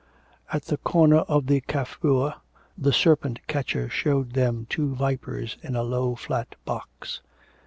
At the corner of the carrefour, the serpent catcher showed them two vipers in a low flat box.